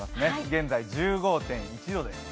現在１５．１度です。